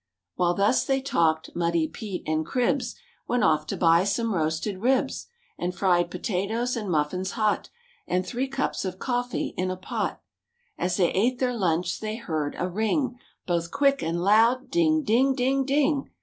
While thus they talked Muddy Pete and Cribs Went off to buy some roasted ribs And fried potatoes and muffins hot And three cups of coffee in a pot. As they ate their lunch they heard a ring, Both quick and loud: ding! ding! ding! ding!